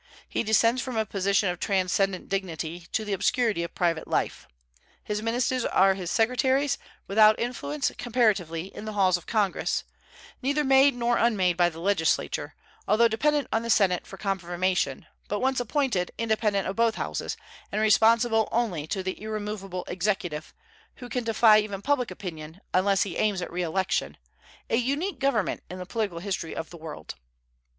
He descends from a position of transcendent dignity to the obscurity of private life. His ministers are his secretaries, without influence, comparatively, in the halls of Congress, neither made nor unmade by the legislature, although dependent on the Senate for confirmation, but once appointed, independent of both houses, and responsible only to the irremovable Executive, who can defy even public opinion, unless he aims at re election, a unique government in the political history of the world.